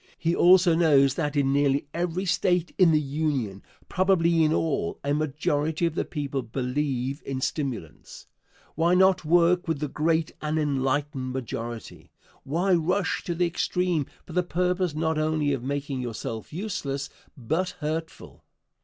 He also knows that in nearly every State in the Union probably in all a majority of the people believe in stimulants. Why not work with the great and enlightened majority? Why rush to the extreme for the purpose not only of making yourself useless but hurtful?